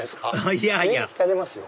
いやいや引かれますよ。